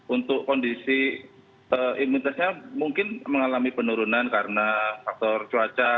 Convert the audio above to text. untuk kondisi imunitasnya mungkin mengalami penurunan karena faktor cuaca